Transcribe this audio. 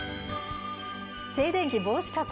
静電気防止加工